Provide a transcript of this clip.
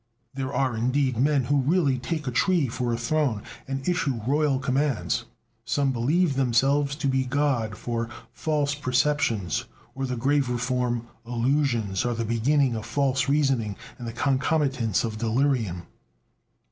There are, indeed, men who really take a tree for a throne, and issue royal commands: some believe themselves to be God, for "false perceptions," or the graver form, "illusions," are the beginning of false reasoning, and the concomitants of delirium.